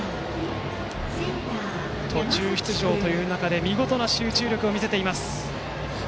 途中出場という中で見事な集中力を見せています。